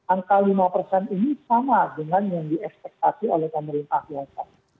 angka lima ini sama dengan yang di ekspektasi oleh pemerintah tiongkok